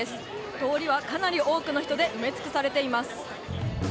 通りはかなり多くの人で埋め尽くされています。